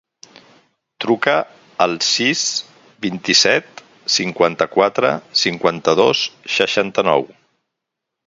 Truca al sis, vint-i-set, cinquanta-quatre, cinquanta-dos, seixanta-nou.